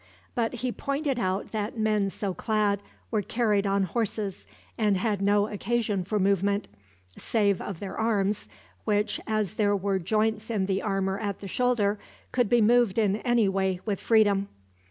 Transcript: But he pointed out that men so clad were carried on horses, and had no occasion for movement; save of their arms, which, as there were joints in the armor at the shoulder, could be moved in any way with freedom.